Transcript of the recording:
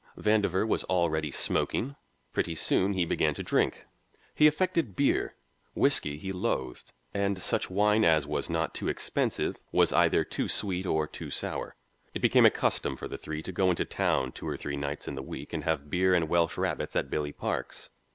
Vandover was already smoking; pretty soon he began to drink. He affected beer, whisky he loathed, and such wine as was not too expensive was either too sweet or too sour. It became a custom for the three to go into town two or three nights in the week and have beer and Welsh rabbits at Billy Park's.